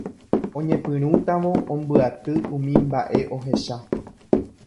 Oñepyrũtavo ombyaty umi mba'e ohecha